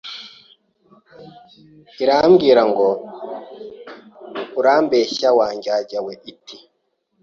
irambwira ngo urambeshya wa ndyarya we iti